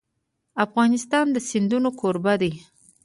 افغانستان د سیندونه کوربه دی.